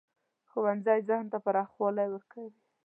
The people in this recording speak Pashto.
ښوونځی ذهن ته پراخوالی ورکوي